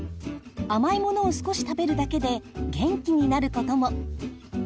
甘いものを少し食べるだけで元気になることも！